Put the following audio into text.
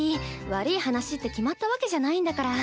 悪い話って決まったわけじゃないんだから。